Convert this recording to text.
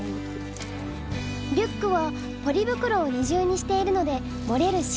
リュックはポリ袋を２重にしているのでもれる心配なし。